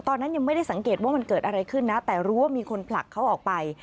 ตอนนั้นยังไม่ได้สังเกตว่ามันเกิดอะไรขึ้นนะแต่รู้ว่ามีคนผลักเขาออกไป